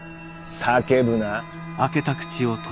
叫ぶな。